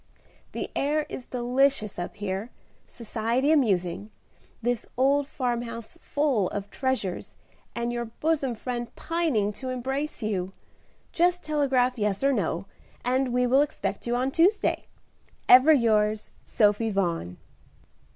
"The air is delicious up here, society amusing, this old farmhouse full of treasures, and your bosom friend pining to embrace you. Just telegraph yes or no, and we will expect you on Tuesday. "Ever yours, "SOPHIE VAUGHAN."